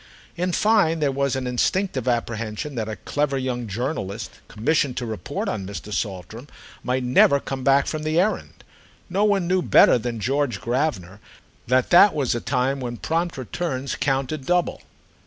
In fine there was an instinctive apprehension that a clever young journalist commissioned to report on Mr. Saltram might never come back from the errand. No one knew better than George Gravener that that was a time when prompt returns counted double.